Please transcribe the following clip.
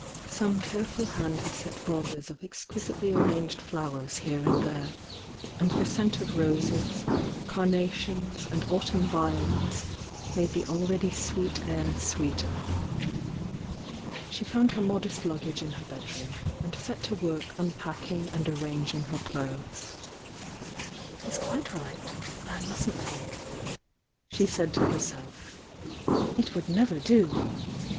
Some careful hand had set vases of exquisitely arranged flowers here and there,— and the scent of roses, car nations and autumn violets made the already sweet air sweeter. She found her modest luggage in her bedroom, and set to work unpacking and arrangine her clothes. "He's quite right,— I mustn't think!" she said to herself "It would never do!